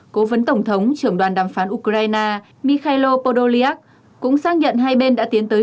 cố vấn tổng thống trưởng đoàn đàm phán ukraine mikhail podolyak cũng xác nhận hai bên đã tiến tới